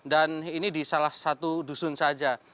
dan ini di salah satu dusun saja